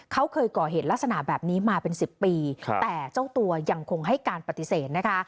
เขาเคยก่อเหตุลักษณะแบบนี้มาเป็น๑๐ปีแต่เจ้าตัวยังคงให้การปฏิเสธนะคะ